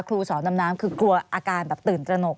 ครูสอนดำน้ำคือกลัวอาการแบบตื่นตระหนก